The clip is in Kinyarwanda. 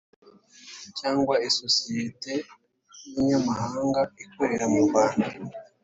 cyangwa isosiyete y inyamahanga ikorera mu Rwanda